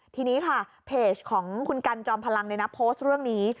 ทีนี้ค่ะเพจของคุณกันจอมพลังโพสต์เรื่องนี้